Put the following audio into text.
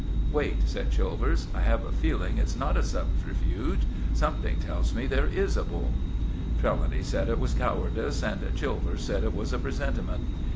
"Wait," said Chilvers. "I have a feeling it's not a subterfuge. Something tells me there is a bull." Trelawny said it was cowardice, and Chilvers said it was a presentiment.